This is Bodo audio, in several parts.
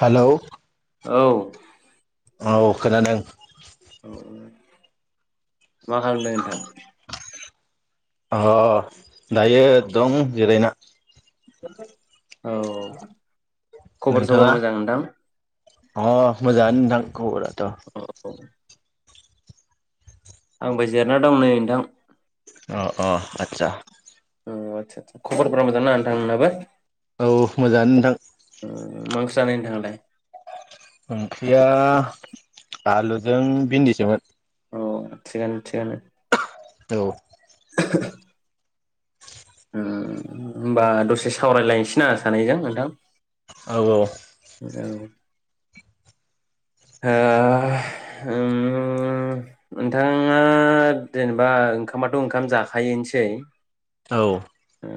हेलौ औ औ खोनादों मा खालामदों नोंथां? अ दायो दं जिरायना [unintelligible] औ खबर नोंथाङा सबर मोजां नोंथां अ मोजाआनो नोंथां खबरा। औ औ थ' आंबो जिरना दं नै नोंथां अ अ आदसा औ आदसा आतसा खबरफोरा मोजांना नोंथां नोंनाबो औ मोजां नोंथां मा ओंख्रि जानाय नोंथांआलाय ओंख्रिया आलुजों भिन्दिसोमोन अ थिगानो थिगानो औ [unintelligible] ओ होमबा दसे सावरायलायनोसै ना सानैजों नोंथां औ हो उम नोंथाङा जेनेबा ओंखामाथ ओंखाम जाखायोनोसै औ ओ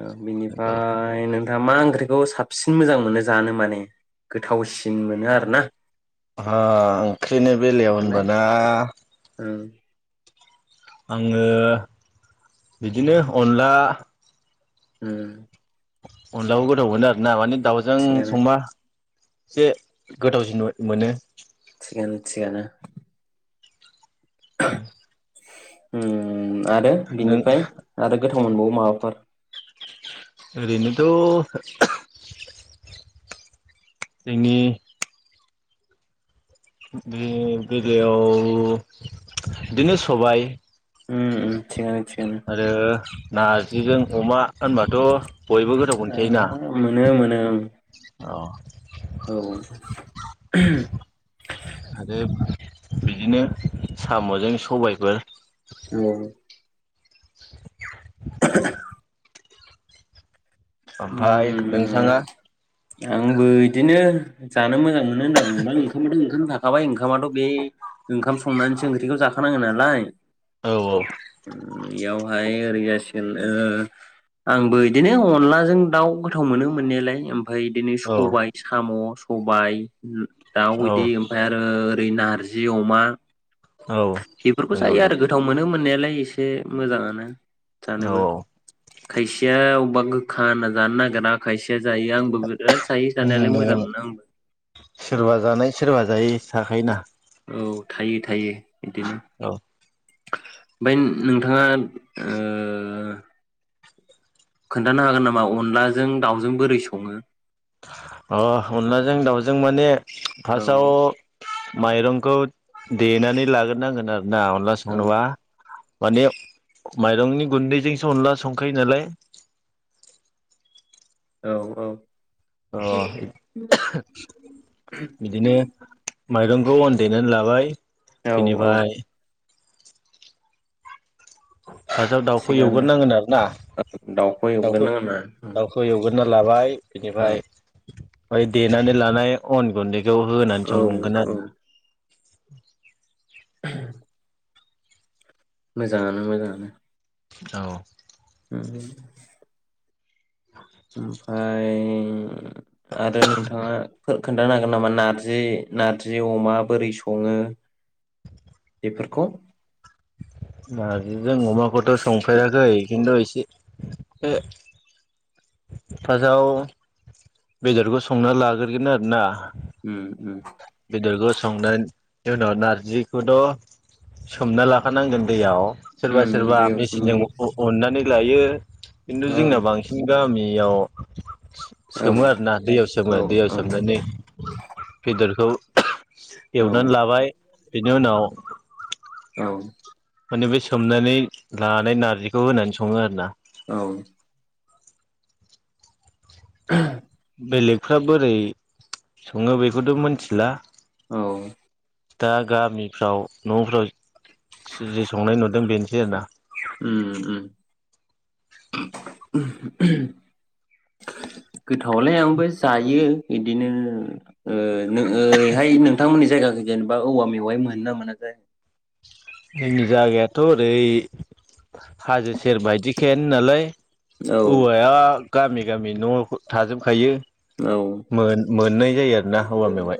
नंगौ बिनिफ्राय नोंथाङा मा ओंख्रिखौ साबसिन मोजां मोनो जानो माने गोथावसिन मोनो आरोना ओ ओंख्रिनि बेलायाव होनबाना उम आङो बिदिनो अनला हम अनलाबो गोथाव मोनो आर ना माने दाउजों थिगानो संबा एसे गोथावसिन मोनो। थिगानो थिगानो औ उम आरो बिनिफ्राय आरो गो थाव मोनबावो माबाफोर ओरैनोथ जोंनि बे बेलायाव बिदिनो सबाय ओम ओम थिगानो थिगानो आरो नारजिजों अमा होनबाथ बयबो गोदाव मोनखायोना। ओं अ औ आरो [unintelligible] बिदिनो सामजों सबायफोर औ [inaudible] [unintelligible] ओमफाय ओम नोंथाङा आंबो इदिनो जानो मोजां मोनो होनना बुंबा ओंखामाथ ओंखाम थाखाबाय ओंखामाथ बे ओंखाम संनानैसो ओंख्रिखौ जाखानाङो नालाय औ औ ओम इयावहाय ओरै जासिगोन ओ आंबो इदिनो अनला जों दाउ गोथाव मोनो मोननाया लाय उम ओमफाय इदिनो सबाय औ साम' सबाय दाउ औ इदि ओमफ्राय आरो दै नारजि अमा औ बेफोरखौ नंगौ जायो आरो नंगौ गोथाव मोनो मोननायालाय एसे मोजाङानो औ जानोबो औ खायसेया अबा खाना जानो नागिरा खायसे जायो आंबो बेराद [unintelligible] सोरबा जानाय सोरबा जाय थाखायोना औ थायो थायो बिदिनो औ ओमफ्राय नोंथाङा ओ खोन्थानो हागोन नामा अनलाजों दाउजों बोरै सङो। अ अनलाजों दाउजों जों माने औ फार्स्टआव माइरंखौ देनानै लाग्रोनांगोन आरो ना अनला संनोबा माने माइरंनि गुन्दैजोंसो अनला संखायो नालाय औ औ अ बिदिनो माइरंखौ अनदेनानै लाबाय औ औ बिनिफ्राय फार्सताव दाउखौ थिगानो एवग्रोनांगोन आरो ना दाउखौ दाउ एवगोन आंना दाउखौ एवगो होना लाबाय औ बिनिफ्राय बै देनानै लानाय अन गुन्दै बेयाव होनानै औ संगोन औ आरोना [inaudible] [unintelligible] मोजांङानो मोजांङानो औ [unintelligible] ओमफ्राय उम आरो नोंथाङा खोन्थानो हागोन नामा नार्जि नार्जि अमा बोरै सङो फोरखौ नार्जिजों अमाखौथ' संफेराखै भिन्दसे बे [unintelligible] पाजाव बेदरखौ संना लाग्रोगोन आरोना हम बेदरखौ सं [unintelligible] अ नारजिखौथ' सोमना लाखानांगोन दैयाव उम सोरबा सोरबा दैयाव सोमनांगोन मेचिनजों अननानै लायो। खिन्थु जोंना बांसिन गामि बेयाव औ सोमो आरोना दैयाव सोमो औ दैयाव सोमनानै [unintelligible] एवनानै लाबाय बेनि उनाव औ औ माने बे सोमनानै लानानै नारजिखौ होनानै सङो आरो ना औ [inaudible] बेलेगफ्रा बोरै सङो बेखौथ' मोनथिला औ दा गामिफ्राव न'फ्राव जि जि संनाय नुदों बेनोसै आरोना उम उम [unintelligible] गोथावलाय आंबो जायो। इदिनो ओ ओरैहाय नोंथांमोननि जायगाखौ जेनेबा औवा मेवाय मोनो ना मोना ज जोंनि जागायाथ' ओरै हाजो सेर बायदिखायानो नालाय जायो औ औवाया गामि गामि न' थाजोबखायो औ मोननाय जायो आरोना औवा मेवाइ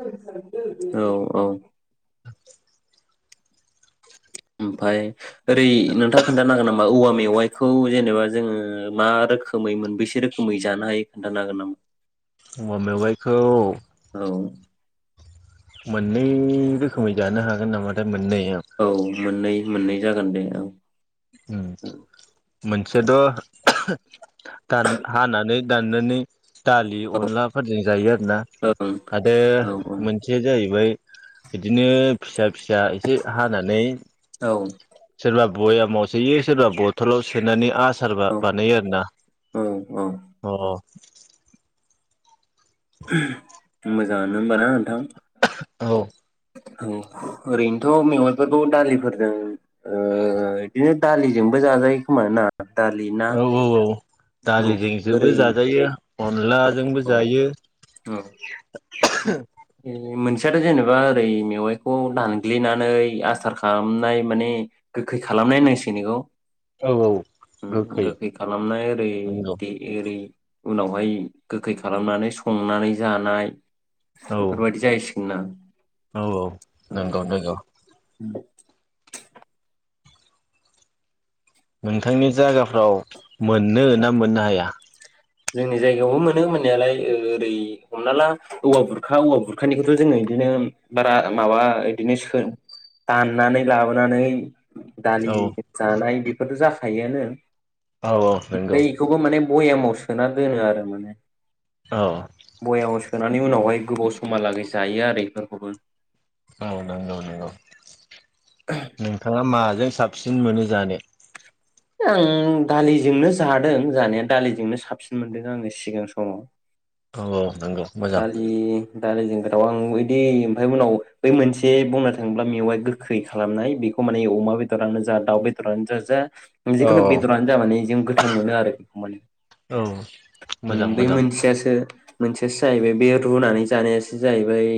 औ औ ओमफाय ओरै नोंथाङा खोन्थानो हागोन नामा औवा मेवाइखौ जेनेबा जोङो मा रोखोमै मोनबसे रोखोमै जानो हायो खोनन्थानो हागोन नामा औवा मेवाइखौ औ मोननै रोखोमै जानो हागोन नामाथाय मोननैया औ मोननै मोननै जागोन दे ओं उम मोनसेथ' [unintelligible] दान हानानै दाननानै दालि अनलाफोरजों जायो आरो ना ओं आरो औ मोनसेया जाहैबाय बिदिनो फिसा फिसा एसे हानानै औ सोरबा बयामाव सोयो सोरबा बथलाव सोनानै आस सारबा बानायो आरोना औ औ अ [unintelligible] [unintelligible] मोजाङानो होमबाना नोंथां [unintelligible] औ औ ओरैनोथ' मेगनफोरखौ दालिफोरजों ओ बिदिनो दालिजोंबो जाजायो खोमा ना दालि ना औ औ औ औ दालिजों जोबो ओरै जाजायो। अनलाजोंबो औ जायो औ मोनसे खोथायाथ' जेनेबा ओरै मेवाइखौ दानग्लिनानै आसार खालामनाय माने गोखै खालामनाय होनां सिगौ औ औ बेखौ उम गोखै खालामनाय ओरै नंगौ दे ओरै उनावहाय गोखै खालामनानै स संनानै जानाय औ बेफोरबदि जायो। जोंना औ औ नंगौ नंगौ। नोंथांनि जायगाफ्राव मोनो ना मोननो हाया। जोंनि जायगायावबो मोनो मोननायालाय ओ ओरै हमना ला औवा बुरखा औवा बुरखानिखौथ' जोङो बिदिनो बारा माबा सोब बिदिनो दाननानै लाबोनानै दालि औ जानाय बेफोरथ' जा थायोआनो औ औ नोंगौ। बयामाव सो सोना दोनो आरो माने औ बयामाव सोनानै उनावहाय गोबाव समहालागै जायो आरो बेफोरखौबो औ नंगौ नंगौ नोंथाङा माजों साबसिन मोनो जानो। आं दालिजोंनो जादों जानाया दालिजोंनो साबसिन मोनदों आंङो सिगां समाव। औ औ नंगौ मोजां दालि दालिजों गोथाव आं यैदि ओमफ्राय उनाव बै मोनसे बुंनो थाङोब्ला मेवाय गोखै खालामनाय बेखौ माने अमा बेदरानो जा दाउ बेदरानो जा जा औ जिखुनु बेदरानो जा माने जों गोथाव मोनो आरो बेखौ माने औ मोजां बै मोजां मोनसेयासो मोनसे जाहैबाय बे रुनानै जानायासो जाहैबाय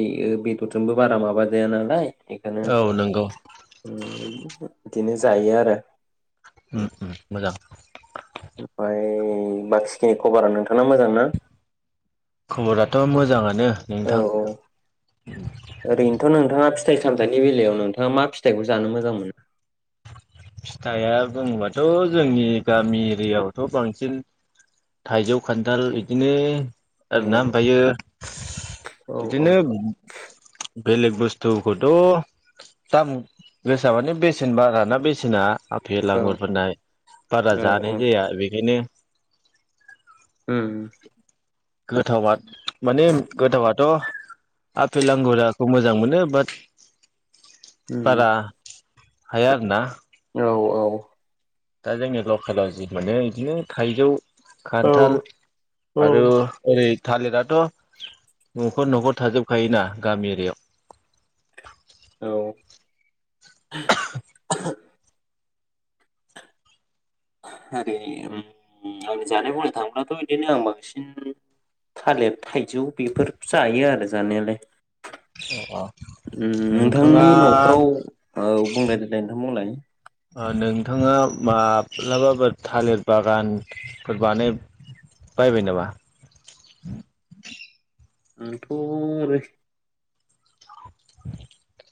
बेदरजोंबो बारा माबा जाया नालाय बेखोनो औ नंगौ ओम इदिनोथ बिदिनो जायो आरो उम उम मोजां ओमफ्राय बाखिखिनि खबरा नोंथाङा मोजां ना खबराथ' मोजाङानो नो औ नोंथां ओरैनोथ नोंथाङा फिथाइ सामथायाइनि बेलायाव नोंथाङा मा फिथाइखौ जानो मोजां मोनो फिथाइआ बुङोबाथ जोंनि गामि एरियाआवथ बांसिन थाइजौ खान्थाल बिदिनो औ आरो ना ओमफ्रायो औ औ बिदिनो बेलेग बुस्थुखौथ दाम गोसा मानि बेसेन बारा ना बेसे सिना आफेल औ आांगुरफोरनाय बारा औ जानाय औ जाया बेखायनो हम गोथावआ माने गोथावाथ आफेल आंगुराखौ मोजां मोनो बाट उम बारा हाया आरो ना औ औ दा जोंनि लकेलाव जि मोनो इदिनो थाइजौ औ खान्थाल औ आरो ओरै थालिराथ' नखर नखर थाजोबखायोना गामि एरियाव औ ओरै ओम ओम आंनि जानाय बुंनो थाङोलाथ बिदिनो आं बांसिन थालिर थाइजौ बेफोर जायो आरो जानायालाय एरियायाव ओम नोंथाङा नोंथांनि नफ्राव ओम बुंलाय देलाय नोंथां बुंलाय नोंथाङा माब्लाबाफोर थालिर बागानफोर बानाय बायबाय नामा नोंथ आरो [inaudible]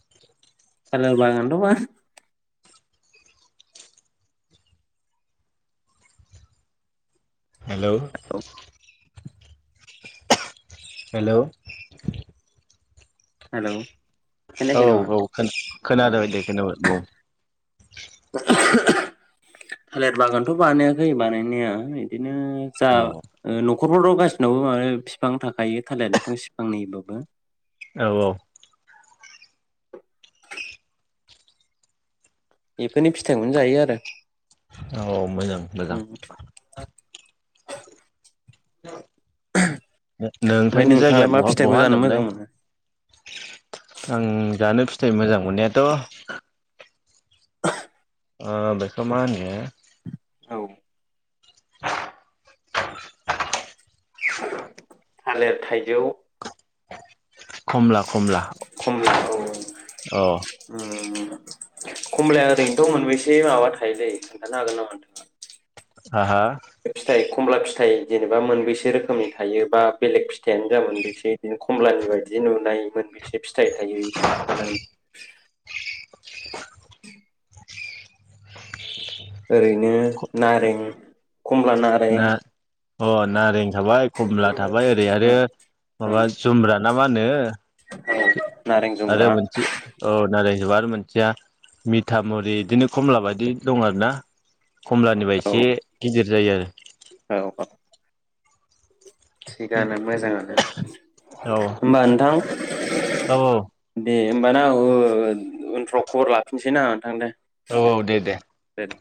थालिर बागानथ' बा हेलौ हेलौ हेलौ औ खोनायाखै नामा? औ ओ खोनादों दे खोनाबाय बुं थालिर बागानथ' बानायाखै बानायनाया बिदि बिदिनो जा औ नख न'खरफोराव गासिनावबो बिफां थाखायो थालिर बिफां सिफांनिबाबो औ औ बेफोरनि फिथाइखौनो जायो आरो औ मोजां मोजां उम [inaudible] ओमफ्राय नोंथांनि जायगाया नोंथाङालाय मा बहा फिथाइखौ बहा जानो होनदोंमोनलै मोजां मोनो? आं जानो फिथाइ मोजां मोननायाथ' [inaudible] आ बेखो माहोनो औ थालेर थाइजौ खमला खमला खमला औ अ उम खमलाया ओरैनोथ' मोनबेसै माबा थायोलै खोन्थानो हागोन नामा नोंथाङा आहा फिथाइ खमला फिथाइ जेनेबा मोनबेसे रोखोमनि थायो बा बेलेग फिथाइयानो जा मोनबेसे बिदिनो खमलानि बायदि नुनाय मोनबेसे फिथाइ थाय थायो [inaudible] ओरैनो नारें खमला ना नारें अ नारें थाबाय खमला थाबाय ओरै आरो ओं ओं माबा औ जुमब्रा ना मा होनो [unintelligible] आरो मोनसे औ नारें जुमब्रा मोनसेया मिथाामुरि बिदिनो खमला बायदि दं आरोना खमलानिफ्राय औ एसे गिदिर बिदि जायो आरो औ थिगानो मोजाङानो आरो होमबा नोंथां दे औ दे होनबाना आ उनफ्राव खबर लाफिनसै ना आ नोंथां दे औ औ दे दे दे